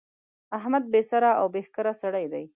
احمد بې سره او بې ښکره سړی دی.